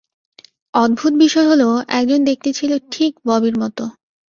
অদ্ভুত বিষয় হল, একজন দেখতে ছিল ঠিক ববির মতো।